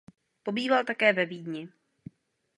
Pobýval také ve Vídni.